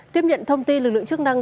tiếp nhận thông tin lực lượng chức năng